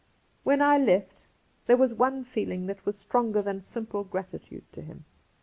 When I left there was one feeling that was stronger than simple gratitude to him.